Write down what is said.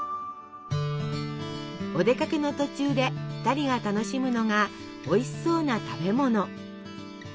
お出かけの途中で２人が楽しむのがおいしそうな食べ物。